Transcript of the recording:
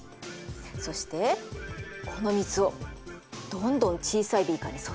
そしてこの水をどんどん小さいビーカーに注いでいきます。